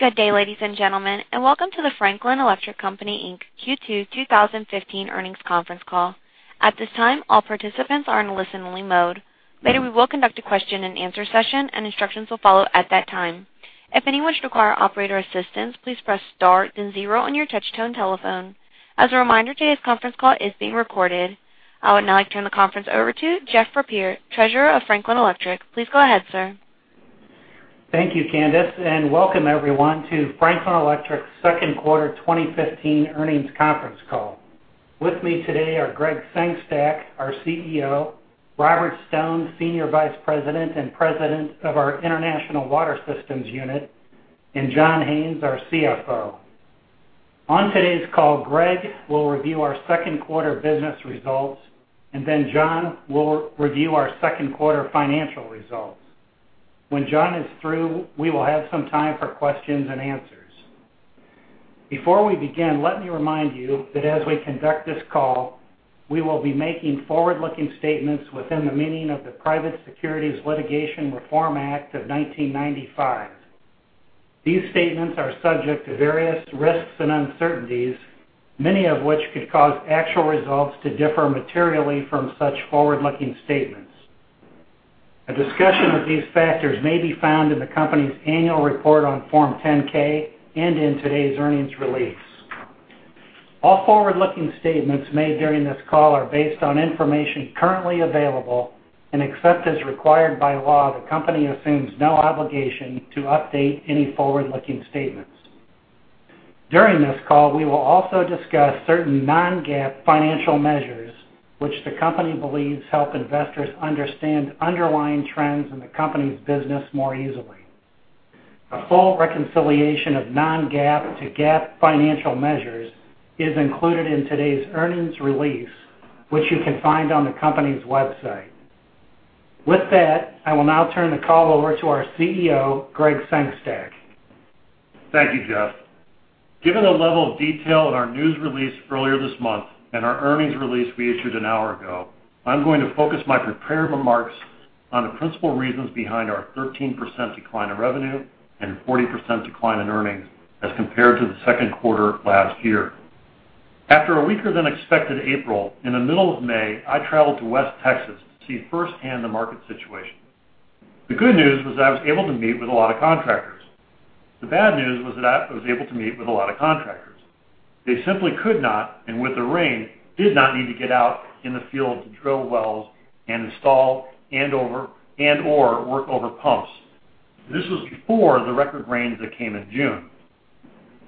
Good day, ladies and gentlemen, and welcome to the Franklin Electric Co., Inc. Q2 2015 earnings conference call. At this time, all participants are in listen-only mode. Later, we will conduct a question-and-answer session, and instructions will follow at that time. If anyone should require operator assistance, please press star then zero on your touch-tone telephone. As a reminder, today's conference call is being recorded. I would now like to turn the conference over to Jeff Frappier, Treasurer of Franklin Electric. Please go ahead, sir. Thank you, Candice, and welcome everyone to Franklin Electric's second quarter 2015 earnings conference call. With me today are Gregg Sengstack, our CEO, Robert Stone, Senior Vice President and President of our International Water Systems unit, and John Haines, our CFO. On today's call, Gregg will review our second quarter business results, and then John will review our second quarter financial results. When John is through, we will have some time for questions and answers. Before we begin, let me remind you that as we conduct this call, we will be making forward-looking statements within the meaning of the Private Securities Litigation Reform Act of 1995. These statements are subject to various risks and uncertainties, many of which could cause actual results to differ materially from such forward-looking statements. A discussion of these factors may be found in the company's annual report on Form 10-K and in today's earnings release. All forward-looking statements made during this call are based on information currently available, and except as required by law, the company assumes no obligation to update any forward-looking statements. During this call, we will also discuss certain non-GAAP financial measures, which the company believes help investors understand underlying trends in the company's business more easily. A full reconciliation of non-GAAP to GAAP financial measures is included in today's earnings release, which you can find on the company's website. With that, I will now turn the call over to our CEO, Gregg Sengstack. Thank you, Jeff. Given the level of detail in our news release earlier this month and our earnings release we issued an hour ago, I'm going to focus my prepared remarks on the principal reasons behind our 13% decline in revenue and 40% decline in earnings as compared to the second quarter last year. After a weaker-than-expected April, in the middle of May, I traveled to West Texas to see firsthand the market situation. The good news was I was able to meet with a lot of contractors. The bad news was that I was able to meet with a lot of contractors. They simply could not, and with the rain, did not need to get out in the field to drill wells and install and/or work over pumps. This was before the record rains that came in June.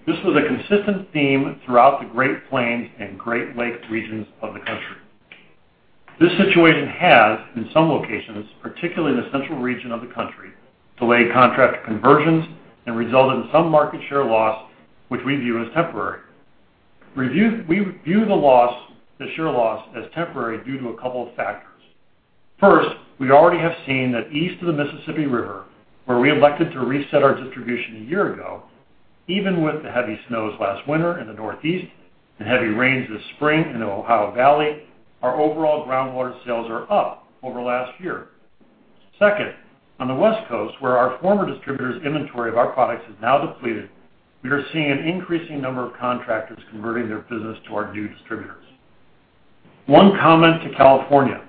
This was a consistent theme throughout the Great Plains and Great Lakes regions of the country. This situation has, in some locations, particularly in the central region of the country, delayed contract conversions and resulted in some market share loss, which we view as temporary. We view the loss, the share loss, as temporary due to a couple of factors. First, we already have seen that east of the Mississippi River, where we elected to reset our distribution a year ago, even with the heavy snows last winter in the Northeast and heavy rains this spring in the Ohio Valley, our overall groundwater sales are up over last year. Second, on the West Coast, where our former distributor's inventory of our products is now depleted, we are seeing an increasing number of contractors converting their business to our new distributors. One comment to California: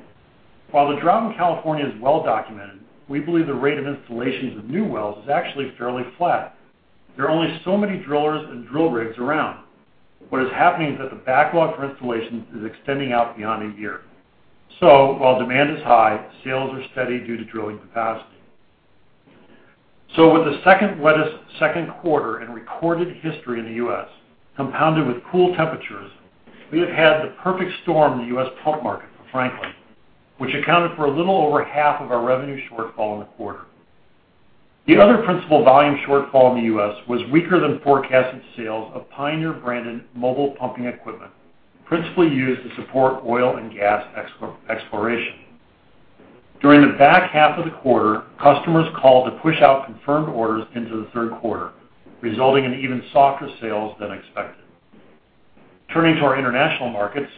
While the drought in California is well documented, we believe the rate of installations of new wells is actually fairly flat. There are only so many drillers and drill rigs around. What is happening is that the backlog for installations is extending out beyond a year. So while demand is high, sales are steady due to drilling capacity. So with the second wettest second quarter in recorded history in the U.S., compounded with cool temperatures, we have had the perfect storm in the U.S. pump market, frankly, which accounted for a little over half of our revenue shortfall in the quarter. The other principal volume shortfall in the U.S. was weaker than forecasted sales of Pioneer-branded mobile pumping equipment, principally used to support oil and gas exploration. During the back half of the quarter, customers called to push out confirmed orders into the third quarter, resulting in even softer sales than expected. Turning to our international markets,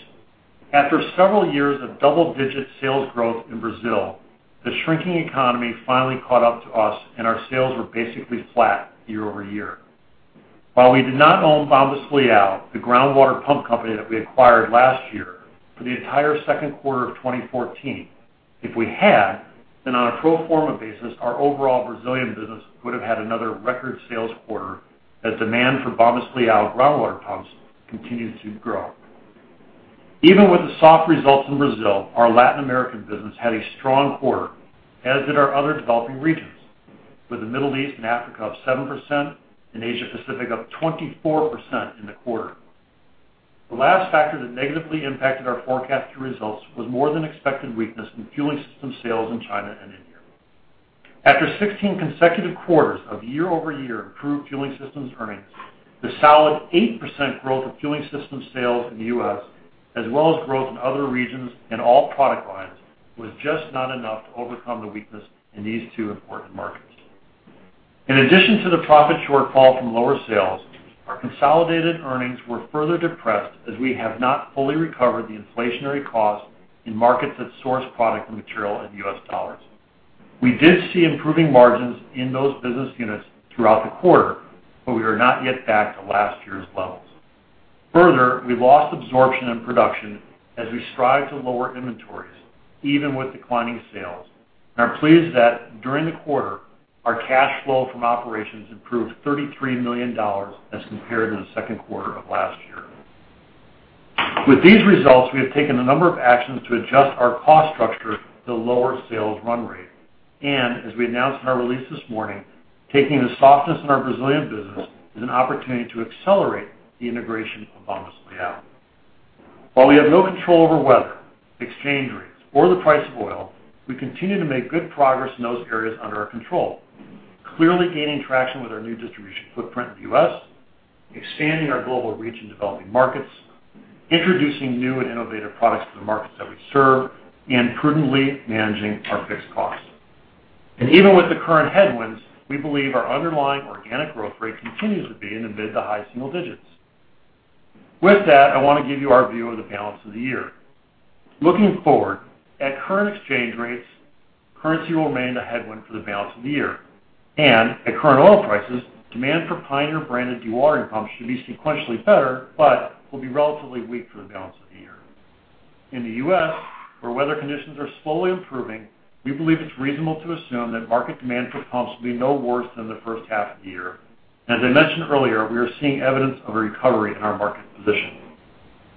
after several years of double-digit sales growth in Brazil, the shrinking economy finally caught up to us, and our sales were basically flat year-over-year. While we did not own Bombas Leão, the groundwater pump company that we acquired last year, for the entire second quarter of 2014, if we had, then on a pro forma basis, our overall Brazilian business would have had another record sales quarter as demand for Bombas Leão groundwater pumps continued to grow. Even with the soft results in Brazil, our Latin American business had a strong quarter, as did our other developing regions, with the Middle East and Africa up 7% and Asia Pacific up 24% in the quarter. The last factor that negatively impacted our forecast results was more than expected weakness in fueling system sales in China and India. After 16 consecutive quarters of year-over-year improved fueling systems earnings, the solid 8% growth of fueling system sales in the U.S., as well as growth in other regions and all product lines, was just not enough to overcome the weakness in these two important markets. In addition to the profit shortfall from lower sales. Our consolidated earnings were further depressed as we have not fully recovered the inflationary costs in markets that source product and material in U.S. dollars. We did see improving margins in those business units throughout the quarter, but we are not yet back to last year's levels. Further, we lost absorption and production as we strive to lower inventories, even with declining sales, and are pleased that during the quarter, our cash flow from operations improved $33 million as compared to the second quarter of last year. With these results, we have taken a number of actions to adjust our cost structure to lower sales run rate, and as we announced in our release this morning, taking the softness in our Brazilian business is an opportunity to accelerate the integration of Bombas Leão. While we have no control over weather, exchange rates, or the price of oil, we continue to make good progress in those areas under our control, clearly gaining traction with our new distribution footprint in the US, expanding our global reach in developing markets, introducing new and innovative products to the markets that we serve, and prudently managing our fixed costs. Even with the current headwinds, we believe our underlying organic growth rate continues to be in the mid to high single digits. With that, I want to give you our view of the balance of the year. Looking forward, at current exchange rates, currency will remain a headwind for the balance of the year, and at current oil prices, demand for Pioneer branded dewatering pumps should be sequentially better, but will be relatively weak for the balance of the year. In the U.S., where weather conditions are slowly improving, we believe it's reasonable to assume that market demand for pumps will be no worse than the first half of the year. As I mentioned earlier, we are seeing evidence of a recovery in our market position.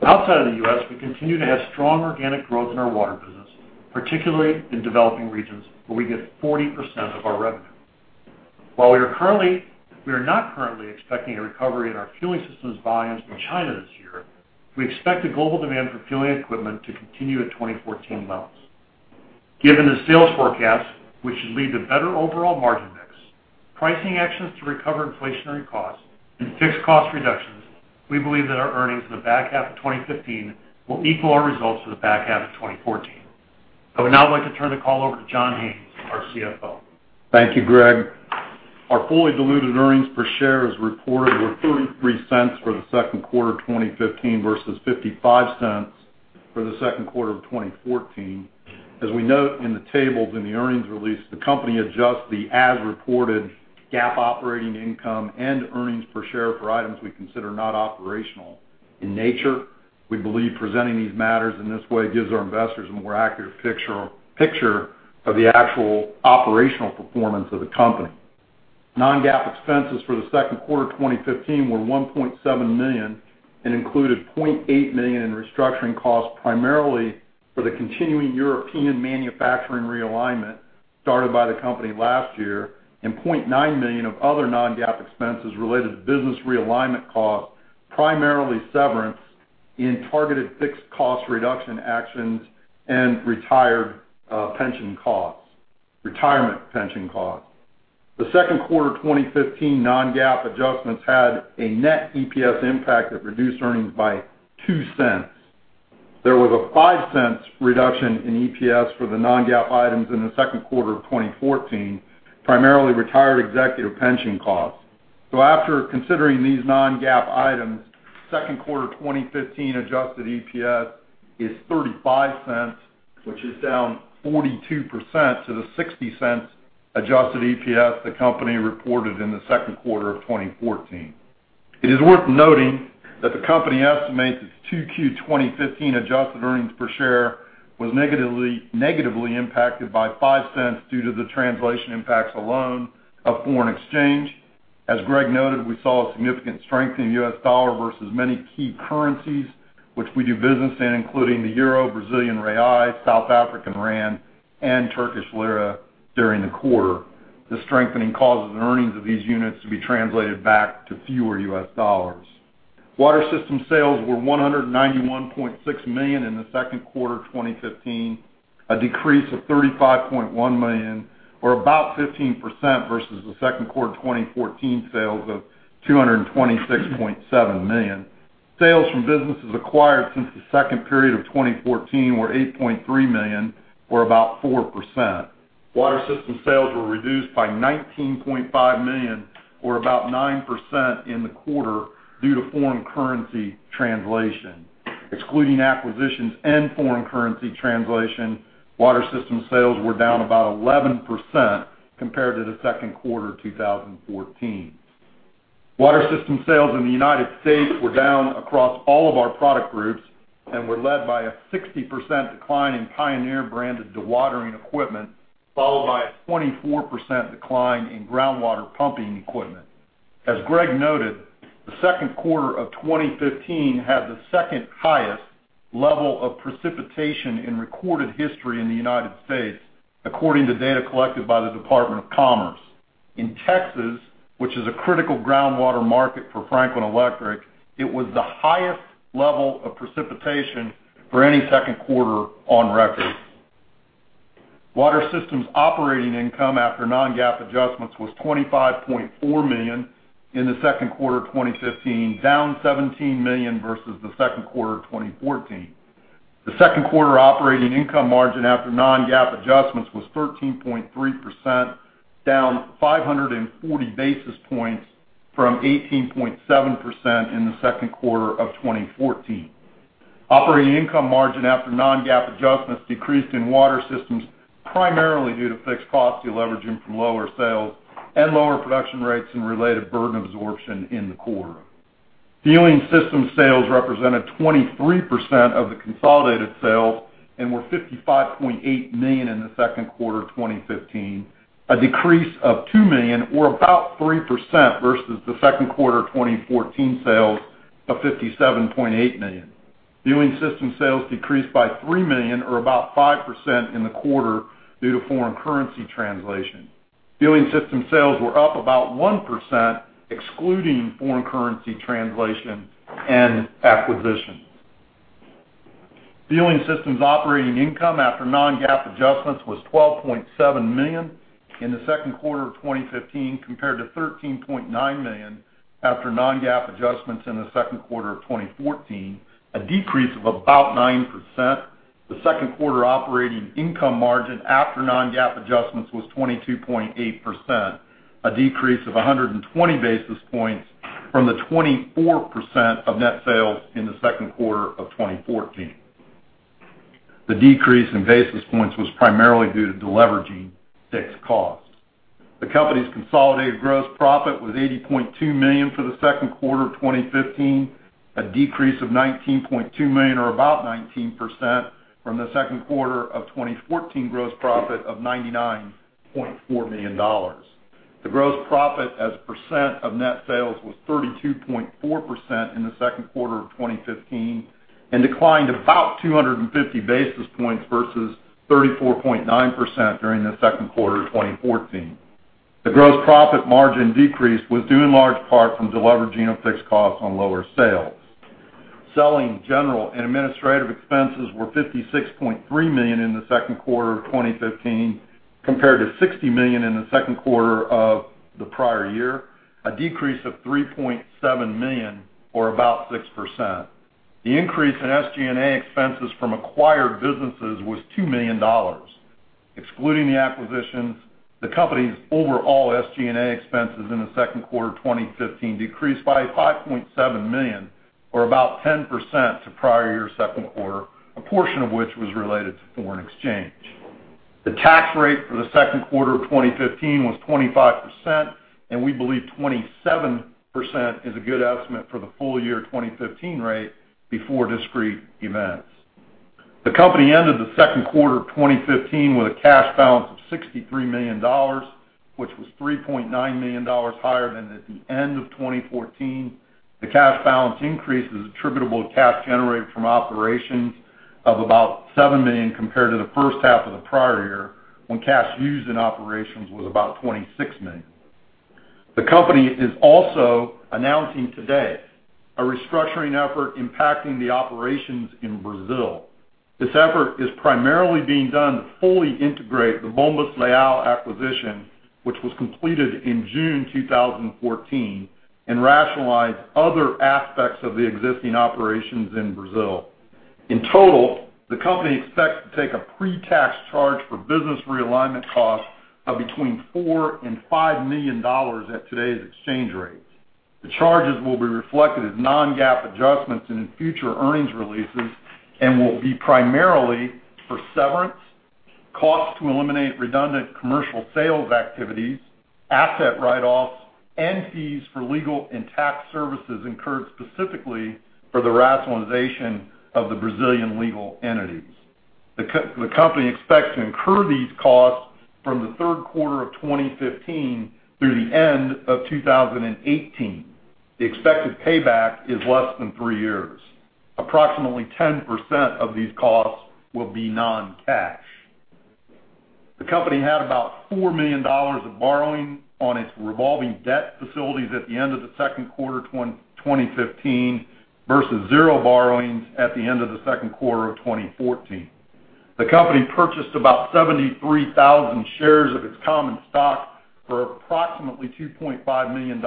Outside of the U.S., we continue to have strong organic growth in our water business, particularly in developing regions, where we get 40% of our revenue. While we are not currently expecting a recovery in our fueling systems volumes in China this year, we expect the global demand for fueling equipment to continue at 2014 levels. Given the sales forecast, which should lead to better overall margin mix, pricing actions to recover inflationary costs and fixed cost reductions, we believe that our earnings in the back half of 2015 will equal our results for the back half of 2014. I would now like to turn the call over to John Haines, our CFO. Thank you, Gregg. Our fully diluted earnings per share, as reported, were $0.33 for the second quarter of 2015 versus $0.55 for the second quarter of 2014. As we note in the tables in the earnings release, the company adjusts the as-reported GAAP operating income and earnings per share for items we consider not operational in nature. We believe presenting these matters in this way gives our investors a more accurate picture of the actual operational performance of the company. Non-GAAP expenses for the second quarter of 2015 were $1.7 million and included $0.8 million in restructuring costs, primarily for the continuing European manufacturing realignment started by the company last year, and $0.9 million of other non-GAAP expenses related to business realignment costs, primarily severance in targeted fixed cost reduction actions and retirement pension costs. The second quarter of 2015 non-GAAP adjustments had a net EPS impact that reduced earnings by $0.02. There was a $0.05 reduction in EPS for the non-GAAP items in the second quarter of 2014, primarily retired executive pension costs. So after considering these non-GAAP items, second quarter of 2015 adjusted EPS is $0.35, which is down 42% to the $0.60 adjusted EPS the company reported in the second quarter of 2014. It is worth noting that the company estimates its 2Q 2015 adjusted earnings per share was negatively impacted by $0.05 due to the translation impacts alone of foreign exchange. As Gregg noted, we saw a significant strength in U.S. dollar versus many key currencies, which we do business in, including the euro, Brazilian real, South African rand, and Turkish lira during the quarter. The strengthening causes the earnings of these units to be translated back to fewer U.S. dollars. Water system sales were $191.6 million in the second quarter of 2015, a decrease of $35.1 million, or about 15% versus the second quarter of 2014 sales of $226.7 million. Sales from businesses acquired since the second period of 2014 were $8.3 million, or about 4%. Water system sales were reduced by $19.5 million, or about 9% in the quarter due to foreign currency translation. Excluding acquisitions and foreign currency translation, water system sales were down about 11% compared to the second quarter of 2014. Water system sales in the United States were down across all of our product groups and were led by a 60% decline in Pioneer-branded dewatering equipment, followed by a 24% decline in groundwater pumping equipment. As Gregg noted, the second quarter of 2015 had the second highest level of precipitation in recorded history in the United States, according to data collected by the Department of Commerce. In Texas, which is a critical groundwater market for Franklin Electric, it was the highest level of precipitation for any second quarter on record. Water Systems operating income after non-GAAP adjustments was $25.4 million in the second quarter of 2015, down $17 million versus the second quarter of 2014. The second quarter operating income margin after non-GAAP adjustments was 13.3%, down 540 basis points from 18.7% in the second quarter of 2014. Operating income margin after non-GAAP adjustments decreased in Water Systems, primarily due to fixed cost deleveraging from lower sales and lower production rates and related burden absorption in the quarter. Fueling system sales represented 23% of the consolidated sales and were $55.8 million in the second quarter of 2015, a decrease of $2 million, or about 3% versus the second quarter of 2014 sales of $57.8 million. Fueling system sales decreased by $3 million, or about 5% in the quarter due to foreign currency translation. Fueling system sales were up about 1%, excluding foreign currency translation and acquisitions. Fueling systems operating income after non-GAAP adjustments was $12.7 million in the second quarter of 2015, compared to $13.9 million after non-GAAP adjustments in the second quarter of 2014, a decrease of about 9%. The second quarter operating income margin after non-GAAP adjustments was 22.8%, a decrease of 120 basis points from the 24% of net sales in the second quarter of 2014. The decrease in basis points was primarily due to deleveraging fixed costs. The company's consolidated gross profit was $80.2 million for the second quarter of 2015, a decrease of $19.2 million, or about 19% from the second quarter of 2014 gross profit of $99.4 million. The gross profit as a percent of net sales was 32.4% in the second quarter of 2015 and declined about 250 basis points versus 34.9% during the second quarter of 2014. The gross profit margin decrease was due in large part from deleveraging of fixed costs on lower sales. Selling, general and administrative expenses were $56.3 million in the second quarter of 2015, compared to $60 million in the second quarter of the prior year, a decrease of $3.7 million, or about 6%. The increase in SG&A expenses from acquired businesses was $2 million. Excluding the acquisitions, the company's overall SG&A expenses in the second quarter of 2015 decreased by $5.7 million, or about 10% to prior year second quarter, a portion of which was related to foreign exchange. The tax rate for the second quarter of 2015 was 25%, and we believe 27% is a good estimate for the full year 2015 rate before discrete events. The company ended the second quarter of 2015 with a cash balance of $63 million, which was $3.9 million higher than at the end of 2014. The cash balance increase is attributable to cash generated from operations of about $7 million compared to the first half of the prior year, when cash used in operations was about $26 million. The company is also announcing today a restructuring effort impacting the operations in Brazil. This effort is primarily being done to fully integrate the Bombas Leão acquisition, which was completed in June 2014, and rationalize other aspects of the existing operations in Brazil. In total, the company expects to take a pre-tax charge for business realignment costs of between $4 million and $5 million at today's exchange rates. The charges will be reflected as non-GAAP adjustments in future earnings releases and will be primarily for severance, costs to eliminate redundant commercial sales activities, asset write-offs, and fees for legal and tax services incurred specifically for the rationalization of the Brazilian legal entities. The company expects to incur these costs from the third quarter of 2015 through the end of 2018. The expected payback is less than three years. Approximately 10% of these costs will be non-cash. The company had about $4 million of borrowing on its revolving debt facilities at the end of the second quarter 2015 versus 0 borrowings at the end of the second quarter of 2014. The company purchased about 73,000 shares of its common stock for approximately $2.5 million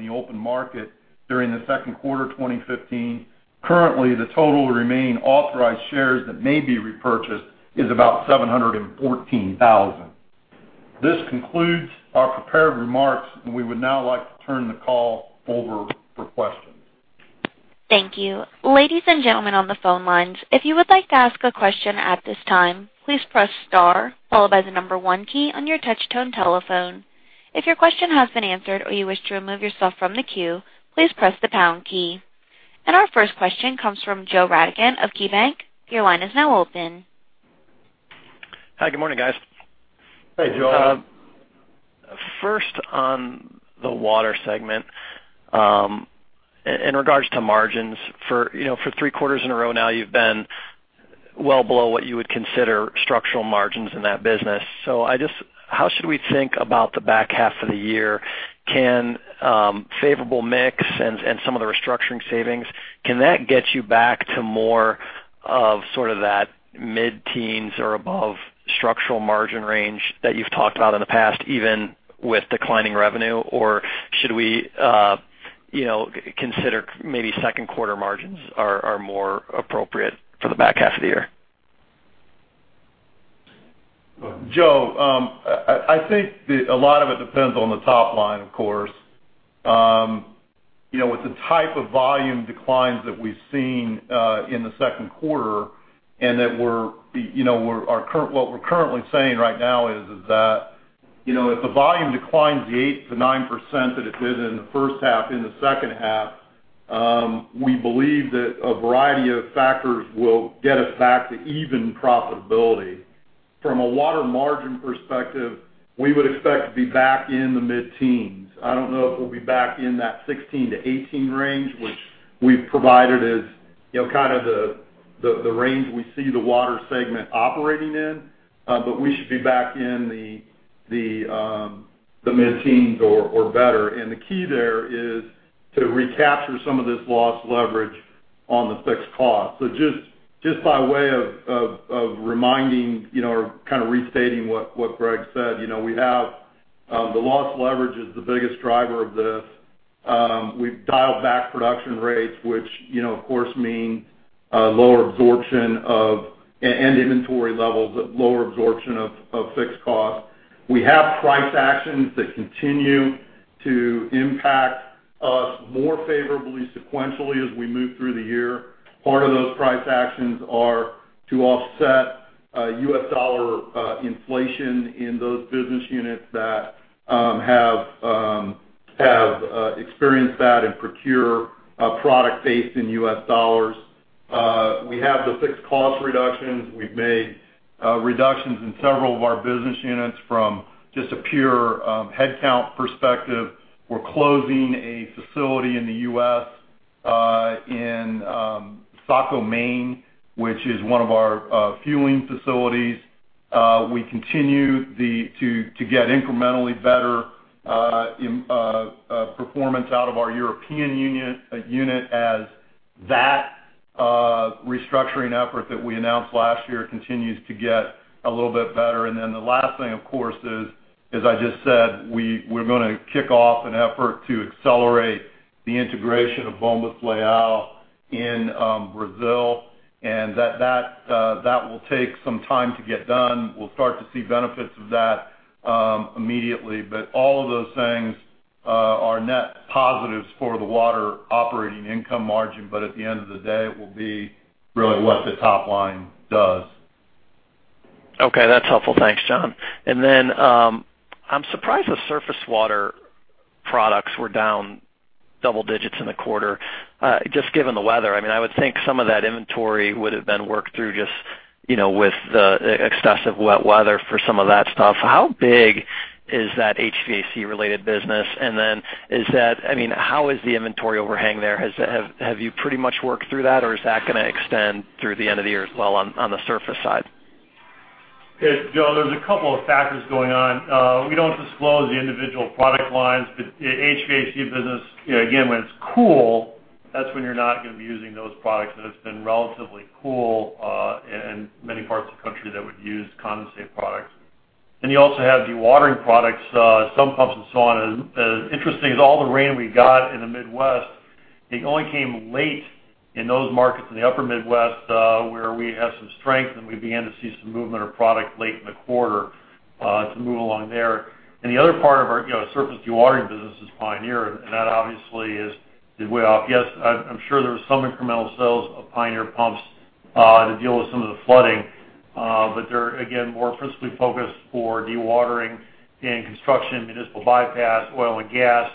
in the open market during the second quarter of 2015. Currently, the total remaining authorized shares that may be repurchased is about 714,000. This concludes our prepared remarks, and we would now like to turn the call over for questions. Thank you. Ladies and gentlemen, on the phone lines, if you would like to ask a question at this time, please press star, followed by the number one key on your touch-tone telephone. If your question has been answered or you wish to remove yourself from the queue, please press the pound key. Our first question comes from Joe Radigan of KeyBanc. Your line is now open. Hi, good morning, guys. Hey, Joe. First, on the Water segment, in regards to margins for, you know, for three quarters in a row now, you've been well below what you would consider structural margins in that business. So, how should we think about the back half of the year? Can, favorable mix and some of the restructuring savings, can that get you back to more of sort of that mid-teens or above structural margin range that you've talked about in the past, even with declining revenue? Or should we, you know, consider maybe second quarter margins are more appropriate for the back half of the year? Joe, I think a lot of it depends on the top line, of course. You know, with the type of volume declines that we've seen in the second quarter, and that we're you know what we're currently saying right now is that, you know, if the volume declines 8%-9% that it did in the first half, in the second half, we believe that a variety of factors will get us back to even profitability. From a water margin perspective, we would expect to be back in the mid-teens. I don't know if we'll be back in that 16%-18% range, which we've provided as you know kind of the range we see the water segment operating in, but we should be back in the mid-teens or better. The key there is to recapture some of this lost leverage on the fixed cost. Just by way of reminding, you know, or kind of restating what Gregg said, you know, we have the lost leverage is the biggest driver of this. We've dialed back production rates, which, you know, of course, mean lower absorption of and inventory levels, but lower absorption of fixed costs. We have price actions that continue to impact us more favorably sequentially as we move through the year. Part of those price actions are to offset U.S. dollar inflation in those business units that have experienced that and procure a product based in U.S. dollars. We have the fixed cost reductions. We've made reductions in several of our business units from just a pure headcount perspective. We're closing a facility in the U.S. in Saco, Maine, which is one of our fueling facilities. We continue to get incrementally better performance out of our European unit as that restructuring effort that we announced last year continues to get a little bit better. And then the last thing, of course, is, as I just said, we're gonna kick off an effort to accelerate the integration of Bombas Leão in Brazil, and that will take some time to get done. We'll start to see benefits of that immediately. But all of those things are net positives for the water operating income margin, but at the end of the day, it will be really what the top line does. Okay, that's helpful. Thanks, John. And then, I'm surprised the surface water products were down double digits in the quarter, just given the weather. I mean, I would think some of that inventory would have been worked through just, you know, with the excessive wet weather for some of that stuff. How big is that HVAC-related business? And then is that—I mean, how is the inventory overhang there? Have you pretty much worked through that, or is that gonna extend through the end of the year as well on the surface side? Yeah, Joe, there's a couple of factors going on. We don't disclose the individual product lines, but the HVAC business, you know, again, when it's cool, that's when you're not gonna be using those products, and it's been relatively cool in many parts of the country that would use condensate products. And you also have dewatering products, sump pumps and so on. And interesting is all the rain we got in the Midwest; it only came late in those markets in the upper Midwest, where we have some strength, and we began to see some movement of product late in the quarter, to move along there. And the other part of our, you know, surface dewatering business is Pioneer, and that obviously is way off. Yes, I'm sure there were some incremental sales of Pioneer pumps to deal with some of the flooding. But they're, again, more principally focused for dewatering in construction, municipal bypass, oil and gas,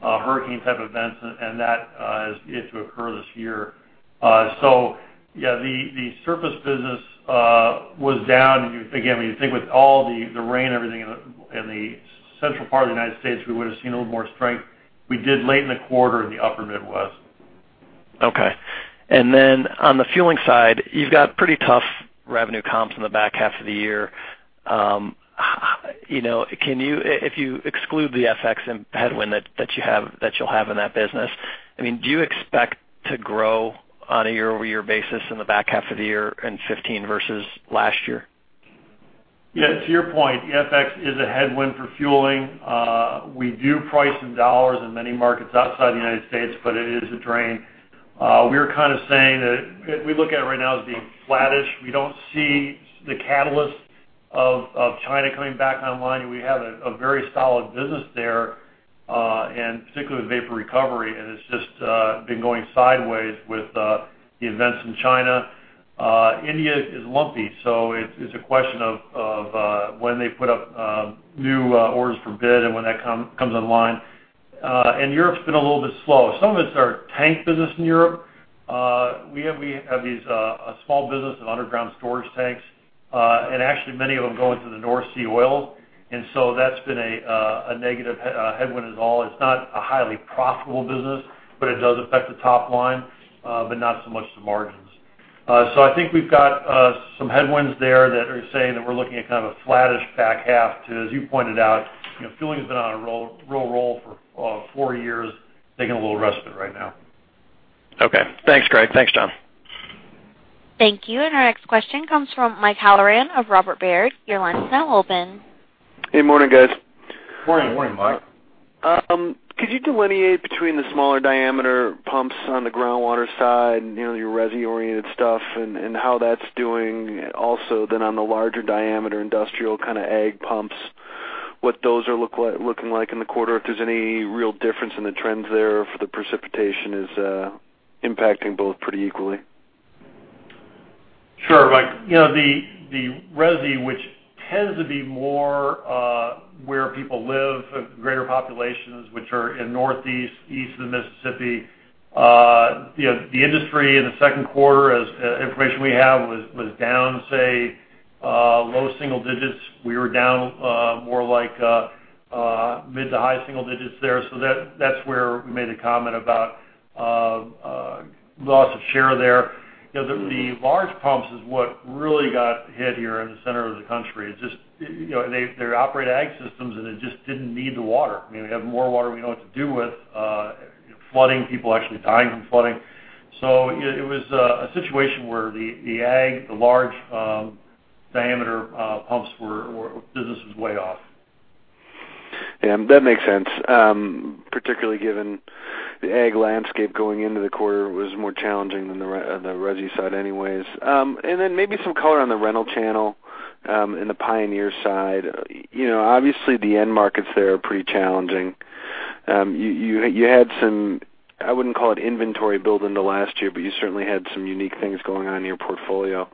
hurricane type events, and that is yet to occur this year. So yeah, the surface business was down. Again, when you think with all the rain and everything in the central part of the United States, we would have seen a little more strength. We did late in the quarter in the upper Midwest. Okay. Then on the fueling side, you've got pretty tough revenue comps in the back half of the year. You know, can you, if you exclude the FX and headwind that you have, that you'll have in that business, I mean, do you expect to grow on a year-over-year basis in the back half of the year in 2015 versus last year? Yeah, to your point, FX is a headwind for fueling. We do price in dollars in many markets outside the United States, but it is a drain. We're kind of saying that we look at it right now as being flattish. We don't see the catalyst of China coming back online. We have a very solid business there, and particularly with vapor recovery, and it's just been going sideways with the events in China. India is lumpy, so it's a question of when they put up new orders for bid and when that comes online. And Europe's been a little bit slow. Some of it's our tank business in Europe. We have, we have these, a small business of underground storage tanks, and actually many of them go into the North Sea oil. And so that's been a, a negative headwind as well. It's not a highly profitable business, but it does affect the top line, but not so much the margins. So I think we've got, some headwinds there that are saying that we're looking at kind of a flattish back half to, as you pointed out, you know, fueling has been on a roll, real roll for, four years, taking a little rest of it right now. Okay. Thanks, Gregg. Thanks, John. Thank you. Our next question comes from Mike Halloran of Robert Baird. Your line is now open. Hey, morning, guys. Morning, Mike. Could you delineate between the smaller diameter pumps on the groundwater side and, you know, your resi-oriented stuff and how that's doing? Also, then on the larger diameter industrial kind of ag pumps, what those are looking like in the quarter, if there's any real difference in the trends there for the precipitation is impacting both pretty equally? Sure, Mike. You know, the residential, which tends to be more where people live, greater populations, which are in the Northeast, east of the Mississippi. You know, the industry in the second quarter, as information we have, was down, say, low single digits. We were down more like mid- to high single digits there. So that's where we made the comment about loss of share there. You know, the large pumps is what really got hit here in the center of the country. It just, you know, they operate ag systems, and they just didn't need the water. I mean, we have more water we know what to do with, flooding, people actually dying from flooding. So it was a situation where the ag, the large diameter pumps were business was way off. Yeah, that makes sense, particularly given the ag landscape going into the quarter was more challenging than the resi side anyways. And then maybe some color on the rental channel in the Pioneer side. You know, obviously, the end markets there are pretty challenging. You had some, I wouldn't call it inventory build in the last year, but you certainly had some unique things going on in your portfolio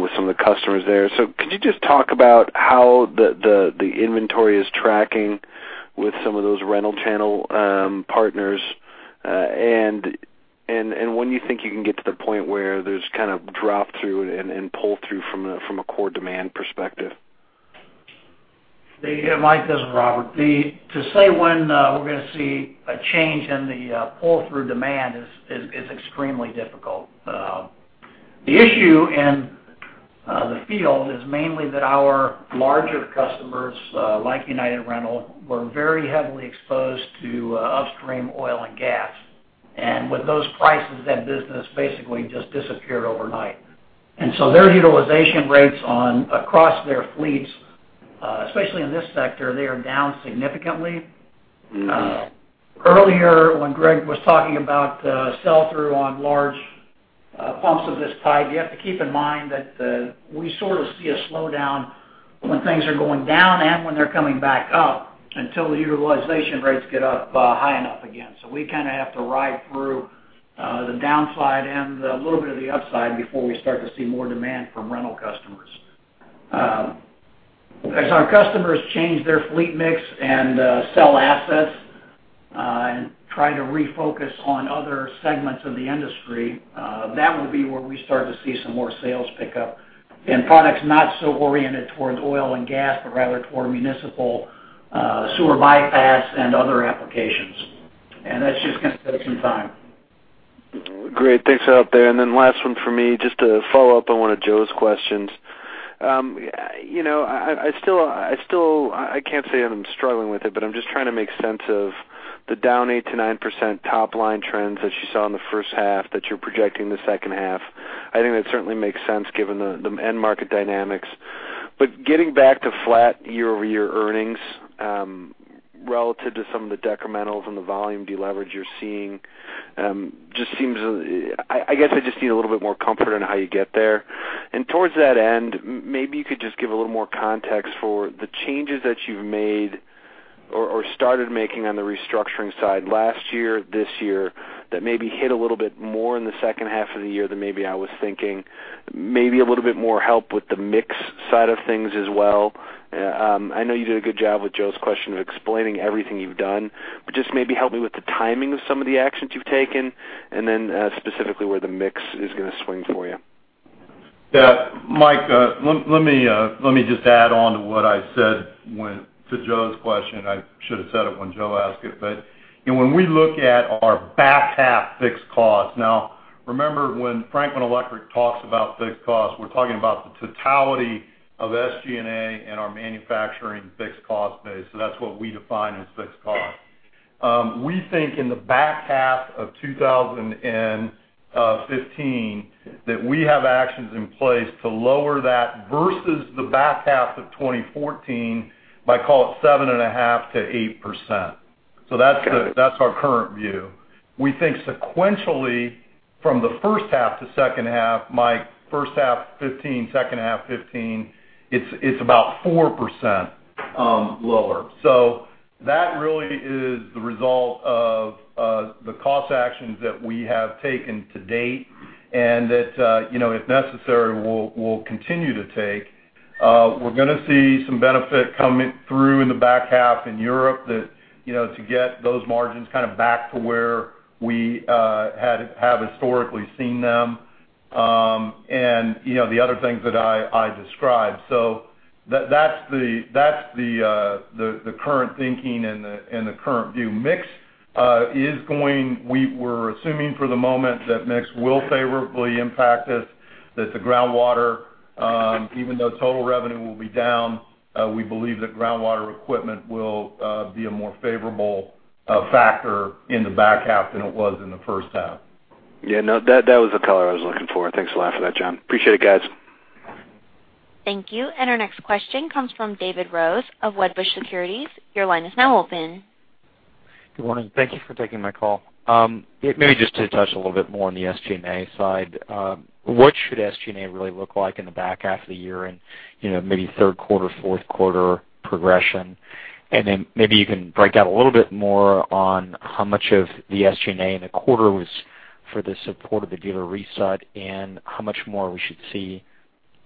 with some of the customers there. So could you just talk about how the inventory is tracking with some of those rental channel partners? And when you think you can get to the point where there's kind of drop-through and pull-through from a core demand perspective. Hey, Mike, this is Robert. To say when we're gonna see a change in the pull-through demand is extremely difficult. The issue in the field is mainly that our larger customers, like United Rentals, were very heavily exposed to upstream oil and gas. And with those prices, that business basically just disappeared overnight. And so their utilization rates across their fleets, especially in this sector, are down significantly. Earlier, when Gregg was talking about sell-through on large pumps of this type, you have to keep in mind that we sort of see a slowdown when things are going down and when they're coming back up, until the utilization rates get up high enough again. So we kind of have to ride through the downside and a little bit of the upside before we start to see more demand from rental customers. As our customers change their fleet mix and sell assets and try to refocus on other segments of the industry, that will be where we start to see some more sales pick up. And products not so oriented towards oil and gas, but rather toward municipal sewer bypass and other applications. And that's just gonna take some time. Great. Thanks for helping out there. And then last one for me, just to follow up on one of Joe's questions. You know, I still... I can't say I'm struggling with it, but I'm just trying to make sense of the down 8%-9% top line trends that you saw in the first half, that you're projecting the second half. I think that certainly makes sense given the end market dynamics. But getting back to flat year-over-year earnings, relative to some of the decrementals and the volume deleverage you're seeing, just seems... I guess I just need a little bit more comfort on how you get there. And towards that end, maybe you could just give a little more context for the changes that you've made or, or started making on the restructuring side last year, this year, that maybe hit a little bit more in the second half of the year than maybe I was thinking. Maybe a little bit more help with the mix side of things as well. I know you did a good job with Joe's question of explaining everything you've done, but just maybe help me with the timing of some of the actions you've taken, and then, specifically, where the mix is gonna swing for you. Yeah, Mike, let me just add on to what I said to Joe's question. I should have said it when Joe asked it. But, you know, when we look at our back half fixed costs, now, remember when Franklin Electric talks about fixed costs, we're talking about the totality of SG&A and our manufacturing fixed cost base. So that's what we define as fixed cost. We think in the back half of 2015, that we have actions in place to lower that versus the back half of 2014, by call it 7.5%-8%. Got it. So that's the, that's our current view. We think sequentially, from the first half to second half, Mike, first half 2015, second half 2015, it's, it's about 4%, lower. So that really is the result of, the cost actions that we have taken to date, and that, you know, if necessary, we'll, we'll continue to take. We're gonna see some benefit coming through in the back half in Europe that, you know, to get those margins kind of back to where we, had, have historically seen them, and, you know, the other things that I, I described. So that, that's the, that's the, the, the current thinking and the, and the current view. We, we're assuming for the moment that mix will favorably impact us, that the groundwater, even though total revenue will be down, we believe that groundwater equipment will be a more favorable factor in the back half than it was in the first half. Yeah, no, that, that was the color I was looking for. Thanks a lot for that, John. Appreciate it, guys. Thank you. And our next question comes from David Rose of Wedbush Securities. Your line is now open. Good morning. Thank you for taking my call. Maybe just to touch a little bit more on the SG&A side. What should SG&A really look like in the back half of the year and, you know, maybe third quarter, fourth quarter progression? And then maybe you can break out a little bit more on how much of the SG&A in the quarter was for the support of the dealer reset, and how much more we should see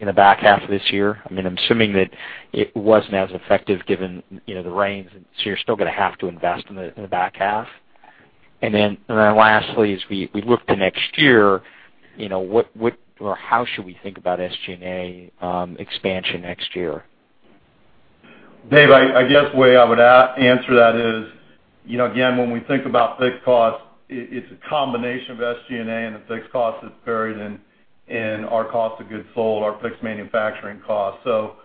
in the back half of this year? I mean, I'm assuming that it wasn't as effective given, you know, the rains, so you're still gonna have to invest in the, in the back half. And then, and then lastly, as we, we look to next year, you know, what, what or how should we think about SG&A expansion next year? Dave, I guess the way I would answer that is, you know, again, when we think about fixed costs, it's a combination of SG&A, and the fixed costs is buried in our cost of goods sold, our fixed manufacturing costs. So,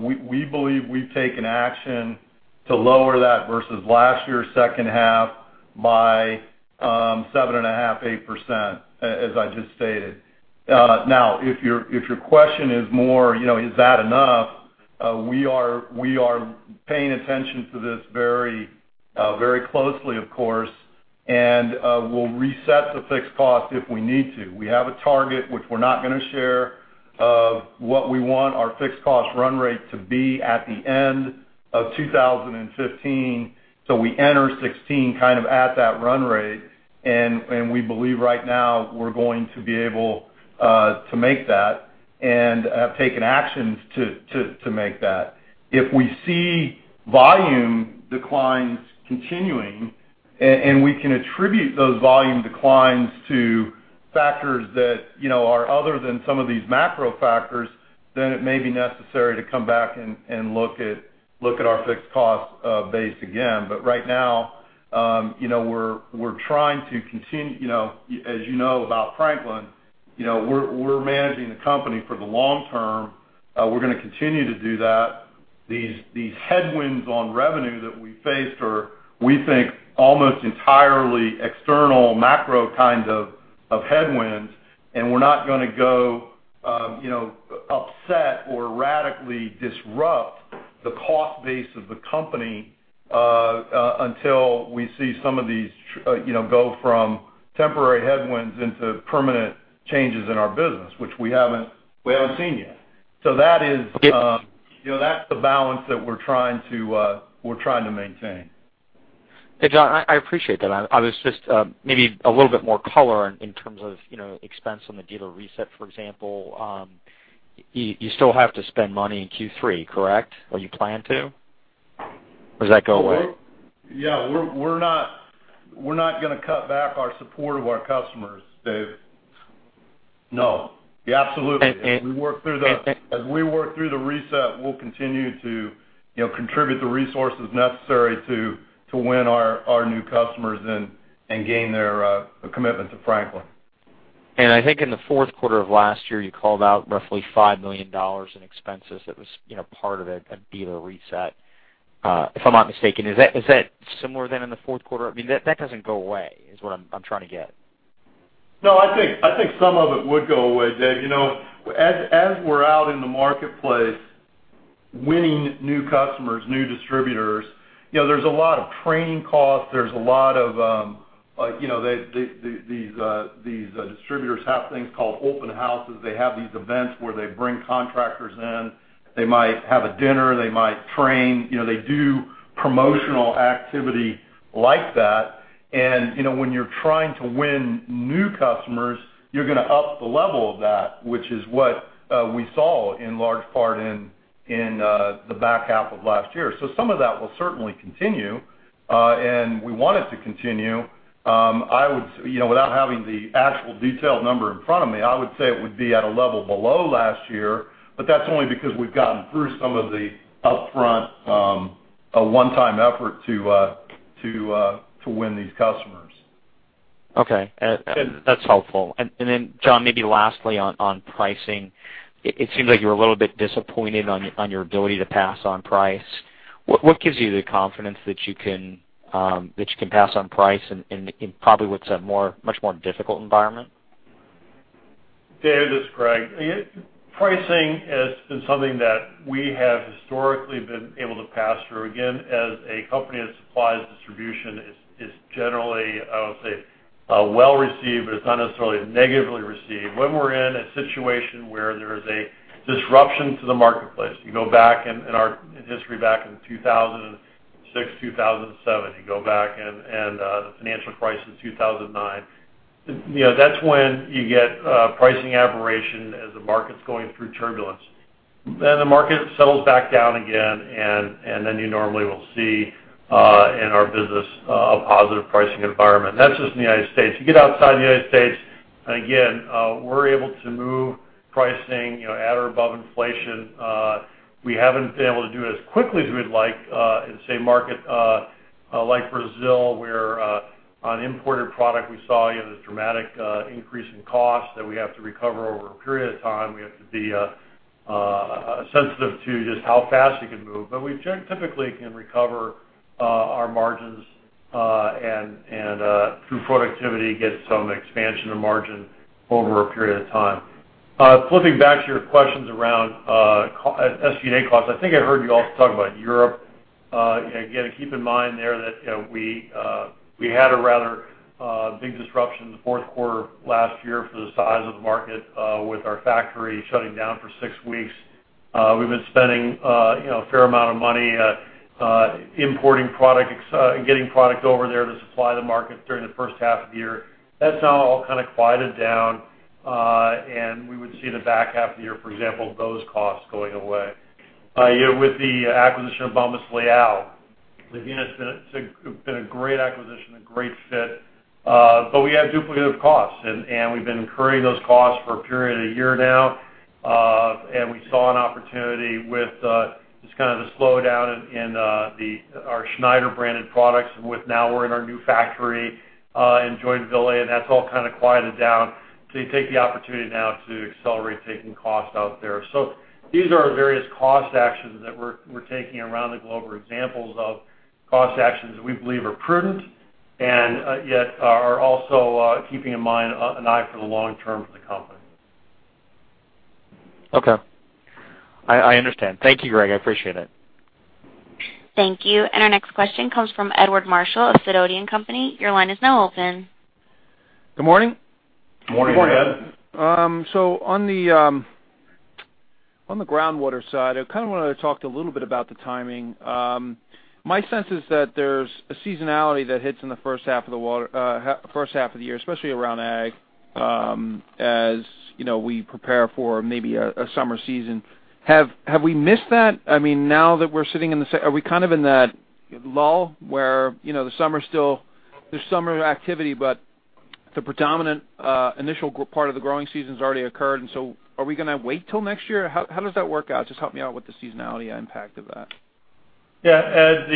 we believe we've taken action to lower that versus last year's second half by 7.5%-8%, as I just stated. Now, if your question is more, you know, is that enough? We are paying attention to this very closely, of course, and we'll reset the fixed cost if we need to. We have a target, which we're not gonna share, of what we want our fixed cost run rate to be at the end of 2015. So we enter 2016 kind of at that run rate, and we believe right now we're going to be able to make that and have taken actions to make that. If we see volume declines continuing, and we can attribute those volume declines to factors that, you know, are other than some of these macro factors, then it may be necessary to come back and look at our fixed cost base again. But right now, you know, we're trying to continue. You know, as you know about Franklin, you know, we're managing the company for the long term. We're gonna continue to do that. These headwinds on revenue that we faced are, we think, almost entirely external macro kinds of headwinds, and we're not gonna go, you know, upset or radically disrupt the cost base of the company until we see some of these, you know, go from temporary headwinds into permanent changes in our business, which we haven't seen yet. So that is, you know, that's the balance that we're trying to maintain. Hey, John, I appreciate that. I was just maybe a little bit more color in terms of, you know, expense on the dealer reset, for example. You still have to spend money in Q3, correct? Or you plan to? Or does that go away? Yeah, we're not gonna cut back our support of our customers, Dave. No, absolutely. And, and- As we work through the-... And- As we work through the reset, we'll continue to, you know, contribute the resources necessary to win our new customers and gain their commitment to Franklin. I think in the fourth quarter of last year, you called out roughly $5 million in expenses. That was, you know, part of a dealer reset, if I'm not mistaken. Is that similar than in the fourth quarter? I mean, that doesn't go away, is what I'm trying to get. No, I think, I think some of it would go away, Dave. You know, as we're out in the marketplace, winning new customers, new distributors, you know, there's a lot of training costs, there's a lot of, like, you know, these distributors have things called open houses. They have these events where they bring contractors in. They might have a dinner, they might train. You know, they do promotional activity like that. And, you know, when you're trying to win new customers, you're gonna up the level of that, which is what we saw in large part in the back half of last year. So some of that will certainly continue, and we want it to continue. I would... You know, without having the actual detailed number in front of me, I would say it would be at a level below last year, but that's only because we've gotten through some of the upfront, a one-time effort to win these customers. Okay. That's helpful. Then, John, maybe lastly on pricing, it seems like you were a little bit disappointed on your ability to pass on price. What gives you the confidence that you can pass on price in probably what's a much more difficult environment? Dave, this is Gregg. Pricing has been something that we have historically been able to pass through. Again, as a company that supplies distribution, is generally, I would say, well-received, but it's not necessarily negatively received. When we're in a situation where there is a disruption to the marketplace, you go back in our history, back in 2006, 2007, you go back and the financial crisis in 2009, you know, that's when you get pricing aberration as the market's going through turbulence. Then the market settles back down again, and then you normally will see in our business a positive pricing environment. That's just in the United States. You get outside the United States, and again, we're able to move pricing, you know, at or above inflation. We haven't been able to do it as quickly as we'd like, in, say, a market like Brazil, where, on imported product, we saw, you know, this dramatic increase in cost that we have to recover over a period of time. We have to be sensitive to just how fast we can move, but we typically can recover our margins, and, and, through productivity, get some expansion of margin over a period of time. Flipping back to your questions around SG&A costs, I think I heard you also talk about Europe. Again, keep in mind there that, you know, we, we had a rather big disruption in the fourth quarter last year for the size of the market, with our factory shutting down for six weeks. We've been spending, you know, a fair amount of money, importing product, and getting product over there to supply the market during the first half of the year. That's now all kind of quieted down, and we would see the back half of the year, for example, those costs going away. Yeah, with the acquisition of Bombas Leão, I think it's been, it's been a great acquisition, a great fit. But we have duplicative costs, and, and we've been incurring those costs for a period of a year now. And we saw an opportunity with, just kind of the slowdown in, in, the—our Schneider branded products, with now we're in our new factory, in Joinville, and that's all kind of quieted down. So you take the opportunity now to accelerate taking costs out there. These are various cost actions that we're taking around the globe, are examples of cost actions that we believe are prudent and yet are also keeping in mind an eye for the long term for the company. Okay. I understand. Thank you, Gregg. I appreciate it. Thank you. And our next question comes from Edward Marshall of Sidoti & Company. Your line is now open. Good morning. Morning, Ed. So on the groundwater side, I kind of wanted to talk a little bit about the timing. My sense is that there's a seasonality that hits in the first half of the year, especially around ag, as you know, we prepare for maybe a summer season. Have we missed that? I mean, now that we're sitting in the. Are we kind of in that lull where, you know, the summer's still, there's summer activity, but the predominant initial part of the growing season has already occurred, and so are we gonna wait till next year? How does that work out? Just help me out with the seasonality impact of that. Yeah, Ed,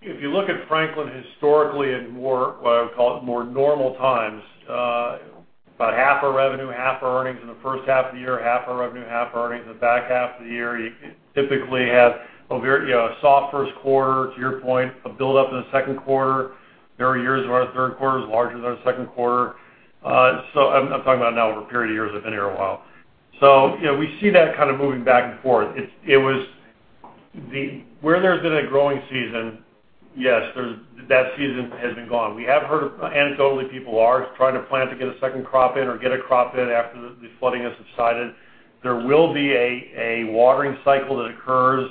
if you look at Franklin historically in more, what I would call it, more normal times, about half our revenue, half our earnings in the first half of the year, half our revenue, half our earnings in the back half of the year. You typically have a very, you know, a soft first quarter, to your point, a buildup in the second quarter. There are years where our third quarter is larger than our second quarter. So I'm talking about now over a period of years, I've been here a while. So, you know, we see that kind of moving back and forth. It was where there's been a growing season, yes, there's that season has been gone. We have heard of, anecdotally, people are trying to plant to get a second crop in or get a crop in after the flooding has subsided. There will be a watering cycle that occurs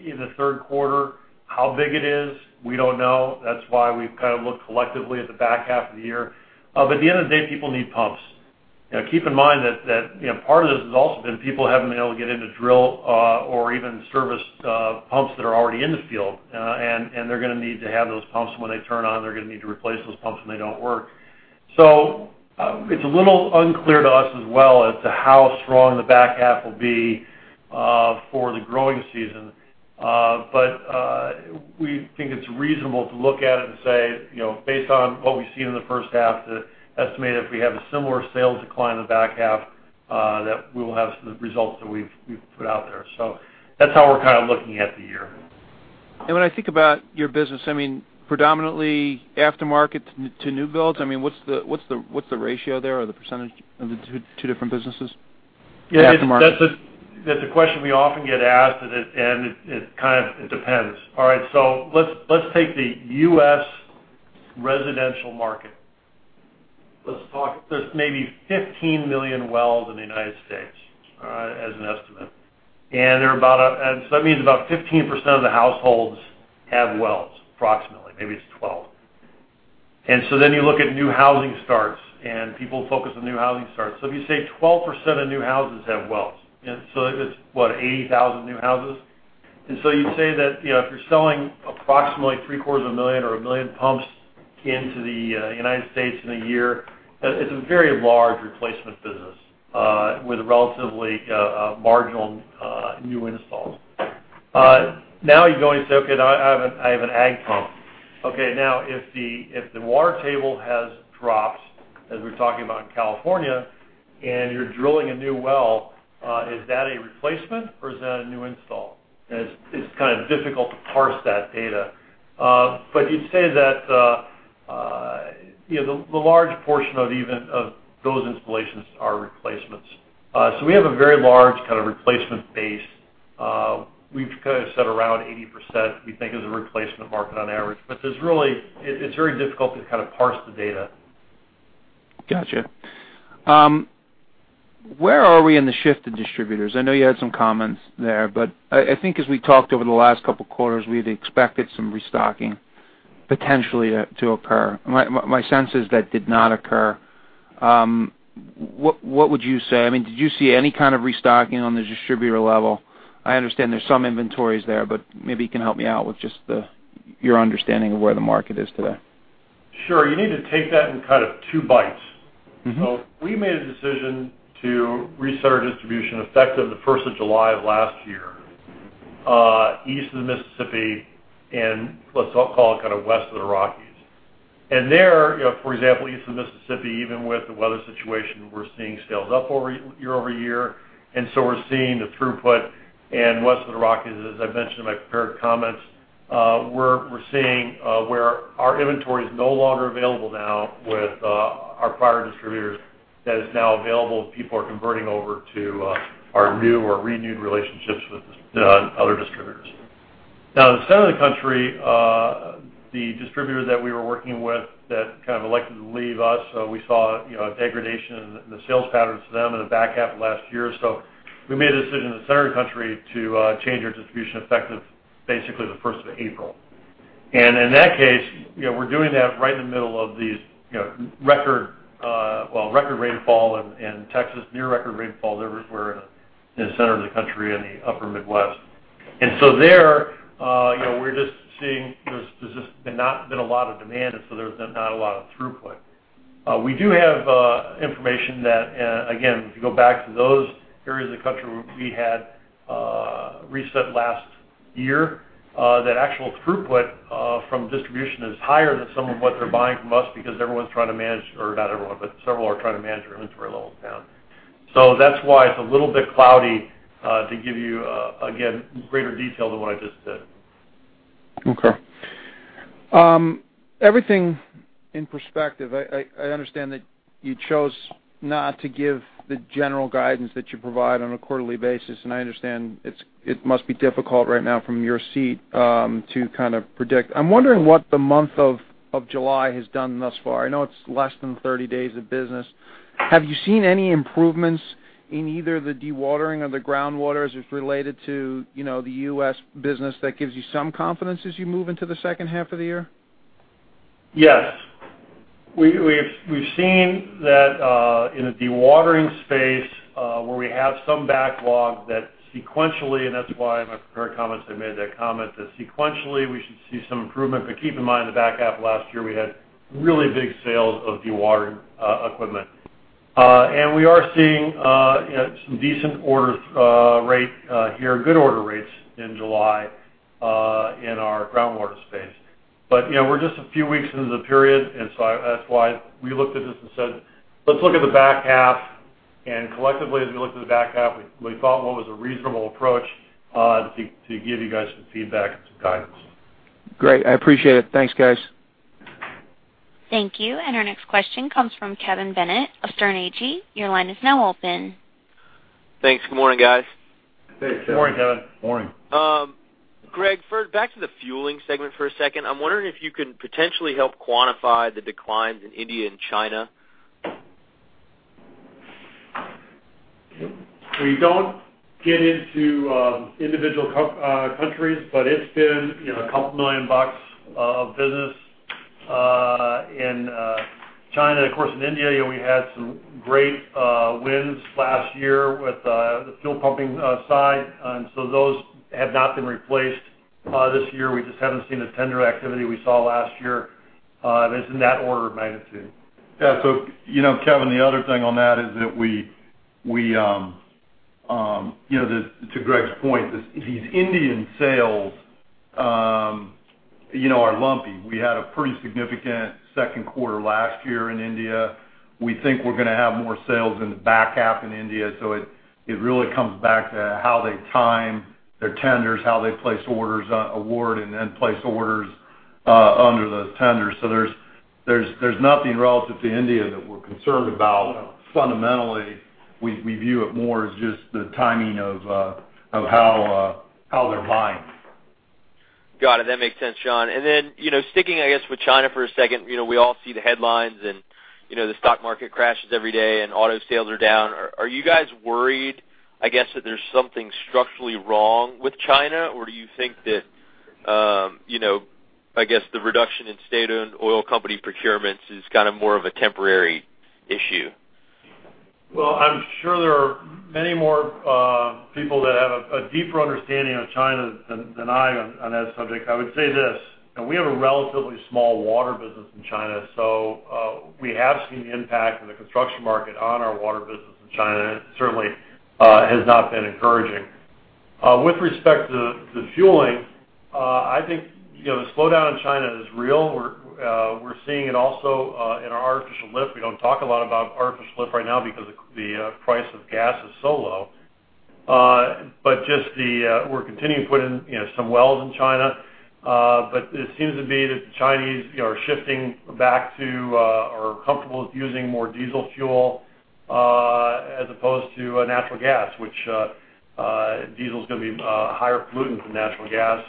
in the third quarter. How big it is, we don't know. That's why we've kind of looked collectively at the back half of the year. But at the end of the day, people need pumps. Now, keep in mind that, you know, part of this has also been people haven't been able to get in to drill or even service pumps that are already in the field, and they're gonna need to have those pumps when they turn on. They're gonna need to replace those pumps when they don't work. It's a little unclear to us as well as to how strong the back half will be for the growing season. But we think it's reasonable to look at it and say, you know, based on what we've seen in the first half, to estimate if we have a similar sales decline in the back half that we will have the results that we've put out there. That's how we're kind of looking at the year. When I think about your business, I mean, predominantly aftermarket to new builds. I mean, what's the ratio there or the percentage of the two different businesses, the aftermarket? That's a question we often get asked, and it kind of depends. All right, so let's take the U.S. residential market. Let's talk, there's maybe 15 million wells in the United States, as an estimate, and there are about a-- so that means about 15% of the households have wells, approximately. Maybe it's 12. And so then you look at new housing starts, and people focus on new housing starts. So if you say 12% of new houses have wells, and so it's, what, 80,000 new houses? And so you'd say that, you know, if you're selling approximately 750,000 or 1 million pumps into the United States in a year, it's a very large replacement business, with relatively marginal new installs. Now you're going to say, "Okay, now I have an, I have an ag pump." Okay, now, if the water table has dropped, as we're talking about in California, and you're drilling a new well, is that a replacement or is that a new install? And it's kind of difficult to parse that data. But you'd say that, you know, the large portion of even of those installations are replacements. So we have a very large kind of replacement base. We've kind of said around 80%, we think, is a replacement market on average. But there's really... It is very difficult to kind of parse the data. Gotcha. Where are we in the shift of distributors? I know you had some comments there, but I think as we talked over the last couple of quarters, we've expected some restocking potentially to occur. My sense is that did not occur. What would you say? I mean, did you see any kind of restocking on the distributor level? I understand there's some inventories there, but maybe you can help me out with just your understanding of where the market is today. Sure. You need to take that in kind of two bites. So we made a decision to reset our distribution effective the first of July of last year, east of the Mississippi, and let's, I'll call it kind of west of the Rockies. And there, you know, for example, east of the Mississippi, even with the weather situation, we're seeing sales up over year-over-year, and so we're seeing the throughput. And west of the Rockies, as I mentioned in my prepared comments, we're seeing where our inventory is no longer available now with our prior distributors, that is now available, people are converting over to our new or renewed relationships with other distributors. Now, the center of the country, the distributor that we were working with that kind of elected to leave us, we saw, you know, a degradation in the sales patterns to them in the back half of last year. So we made a decision in the center of the country to change our distribution, effective basically the first of April. And in that case, you know, we're doing that right in the middle of these, you know, record, well, record rainfall in Texas, near record rainfall everywhere in the center of the country and the upper Midwest. And so there, you know, we're just seeing there's just not been a lot of demand, and so there's been not a lot of throughput. We do have information that, and again, if you go back to those areas of the country where we had reset last year, that actual throughput from distribution is higher than some of what they're buying from us because everyone's trying to manage, or not everyone, but several are trying to manage their inventory levels down. So that's why it's a little bit cloudy to give you again, greater detail than what I just said. Okay. Everything in perspective, I understand that you chose not to give the general guidance that you provide on a quarterly basis, and I understand it must be difficult right now from your seat to kind of predict. I'm wondering what the month of July has done thus far. I know it's less than 30 days of business. Have you seen any improvements in either the dewatering or the groundwater as it's related to, you know, the U.S. business that gives you some confidence as you move into the second half of the year? Yes. We've seen that in a dewatering space where we have some backlog that sequentially, and that's why in my prepared comments, I made that comment, that sequentially we should see some improvement. But keep in mind, in the back half of last year, we had really big sales of dewatering equipment. And we are seeing some decent order rates here, good order rates in July in our groundwater space. But, you know, we're just a few weeks into the period, and so that's why we looked at this and said, "Let's look at the back half." And collectively, as we looked at the back half, we thought what was a reasonable approach to give you guys some feedback and some guidance. Great. I appreciate it. Thanks, guys. Thank you. And our next question comes from Kevin Bennett of Sterne Agee. Your line is now open. Thanks. Good morning, guys. Hey, Kevin. Good morning, Kevin. Morning. Gregg, first, back to the fueling segment for a second. I'm wondering if you can potentially help quantify the declines in India and China? We don't get into individual countries, but it's been, you know, $2 million of business in China. Of course, in India, you know, we had some great wins last year with the fuel pumping side, and so those have not been replaced this year. We just haven't seen the tender activity we saw last year, and it's in that order of magnitude. Yeah. So, you know, Kevin, the other thing on that is that we, you know, to Gregg's point, these Indian sales, you know, are lumpy. We had a pretty significant second quarter last year in India. We think we're gonna have more sales in the back half in India, so it really comes back to how they time their tenders, how they place orders, award, and then place orders under those tenders. So there's nothing relative to India that we're concerned about. Fundamentally, we view it more as just the timing of how they're buying. Got it. That makes sense, John. And then, you know, sticking, I guess, with China for a second, you know, we all see the headlines and, you know, the stock market crashes every day and auto sales are down. Are you guys worried, I guess, that there's something structurally wrong with China? Or do you think that, you know, I guess, the reduction in state-owned oil company procurements is kind of more of a temporary issue? Well, I'm sure there are many more people that have a deeper understanding of China than I on that subject. I would say this, and we have a relatively small water business in China, so we have seen the impact of the construction market on our water business in China, and it certainly has not been encouraging. With respect to fueling, I think, you know, the slowdown in China is real. We're seeing it also in our artificial lift. We don't talk a lot about artificial lift right now because the price of gas is so low. But just the, we're continuing to put in, you know, some wells in China, but it seems to be that the Chinese, you know, are shifting back to, or comfortable with using more diesel fuel, as opposed to, natural gas, which, diesel's gonna be, higher pollutant than natural gas.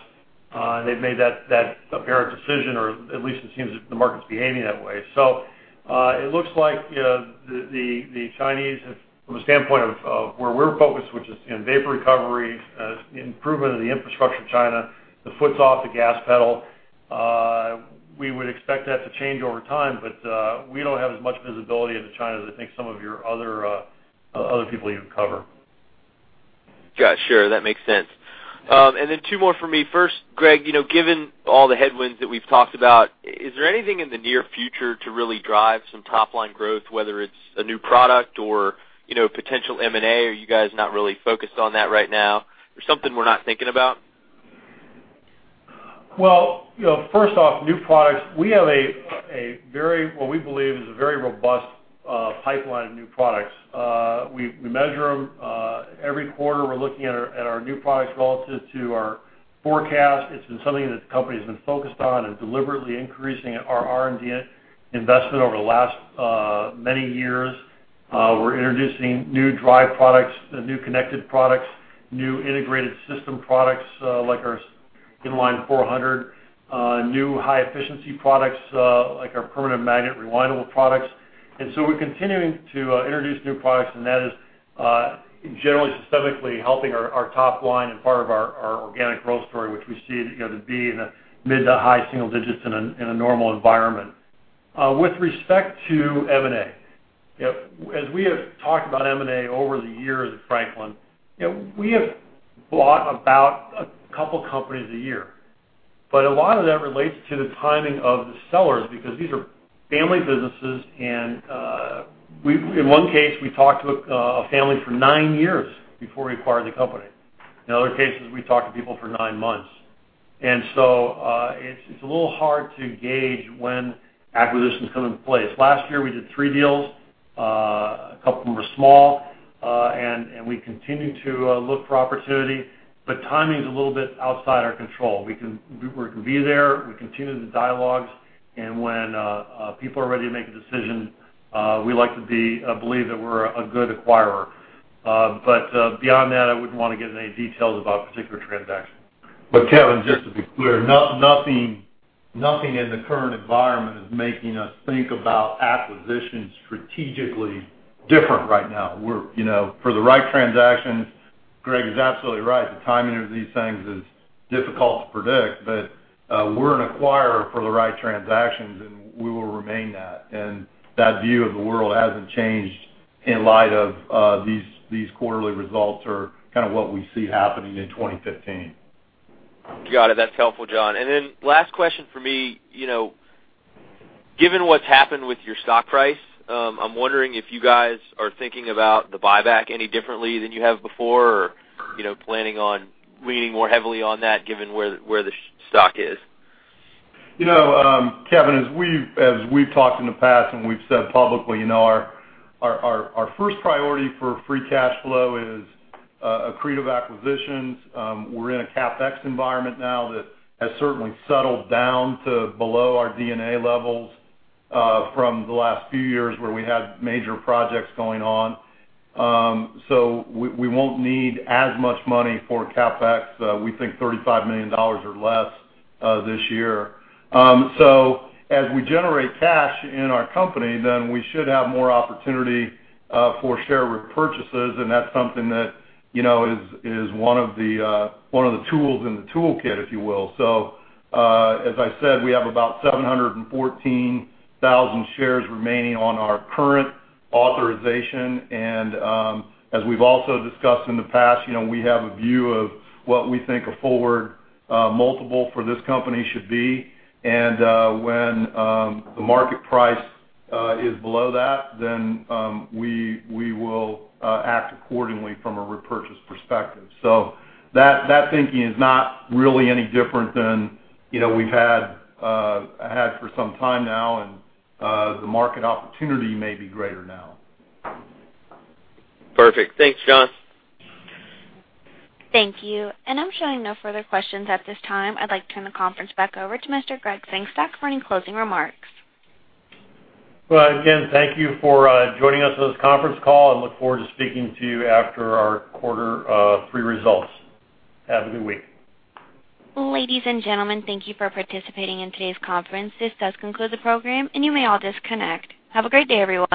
And they've made that apparent decision, or at least it seems that the market's behaving that way. So, it looks like, you know, the Chinese, from the standpoint of where we're focused, which is in vapor recovery, improvement of the infrastructure in China, the foot's off the gas pedal. We would expect that to change over time, but, we don't have as much visibility into China as I think some of your other people you cover. Gotcha. Sure, that makes sense. And then two more for me. First, Gregg, you know, given all the headwinds that we've talked about, is there anything in the near future to really drive some top-line growth, whether it's a new product or, you know, potential M&A? Are you guys not really focused on that right now, or something we're not thinking about? Well, you know, first off, new products, we have a very, what we believe is a very robust pipeline of new products. We measure them every quarter. We're looking at our new products relative to our forecast. It's been something that the company has been focused on and deliberately increasing our R&D investment over the last many years. We're introducing new drive products, new connected products, new integrated system products, like our Inline 400, new high efficiency products, like our permanent magnet rewindable products. And so we're continuing to introduce new products, and that is generally systematically helping our top line and part of our organic growth story, which we see, you know, to be in the mid- to high-single digits in a normal environment. With respect to M&A, you know, as we have talked about M&A over the years at Franklin, you know, we have bought about a couple companies a year, but a lot of that relates to the timing of the sellers, because these are family businesses, and in one case, we talked to a family for nine years before we acquired the company. In other cases, we talked to people for nine months. And so, it's a little hard to gauge when acquisitions come into place. Last year, we did three deals. A couple of them were small, and we continue to look for opportunity, but timing is a little bit outside our control. We can be there. We continue the dialogues, and when people are ready to make a decision, we like to be believe that we're a good acquirer. But beyond that, I wouldn't want to get into any details about particular transactions. But Kevin, just to be clear, nothing in the current environment is making us think about acquisitions strategically different right now. We're, you know, for the right transactions, Gregg is absolutely right. The timing of these things is difficult to predict, but we're an acquirer for the right transactions, and we will remain that. And that view of the world hasn't changed in light of these quarterly results or kind of what we see happening in 2015. Got it. That's helpful, John. And then last question for me. You know, given what's happened with your stock price, I'm wondering if you guys are thinking about the buyback any differently than you have before or, you know, planning on leaning more heavily on that, given where the stock is? You know, Kevin, as we've talked in the past and we've said publicly, you know, our first priority for free cash flow is accretive acquisitions. We're in a CapEx environment now that has certainly settled down to below our D&A levels from the last few years, where we had major projects going on. So we won't need as much money for CapEx. We think $35 million or less this year. So as we generate cash in our company, then we should have more opportunity for share repurchases, and that's something that, you know, is one of the tools in the toolkit, if you will. So as I said, we have about 714,000 shares remaining on our current authorization. And, as we've also discussed in the past, you know, we have a view of what we think a forward multiple for this company should be. And, when the market price is below that, then we will act accordingly from a repurchase perspective. So that thinking is not really any different than, you know, we've had for some time now, and the market opportunity may be greater now. Perfect. Thanks, John. Thank you. And I'm showing no further questions at this time. I'd like to turn the conference back over to Mr. Gregg Sengstack for any closing remarks. Well, again, thank you for joining us on this conference call, and look forward to speaking to you after our quarter three results. Have a good week. Ladies and gentlemen, thank you for participating in today's conference. This does conclude the program, and you may all disconnect. Have a great day, everyone.